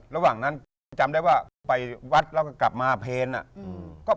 หลังก็จำได้ว่าไปวัดก็กลับมาเพลช